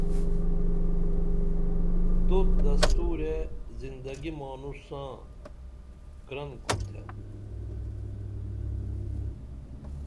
دوت دستورے زندگی مانوݜ ساں گرن کُرتھے